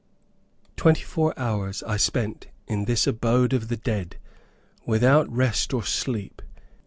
Twenty four hours I spent in this abode of the dead, without rest or sleep.